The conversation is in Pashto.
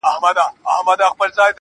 د غلا په جرم به پاچاصاب محترم نیسې~